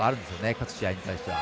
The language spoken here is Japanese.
勝ち試合に関しては。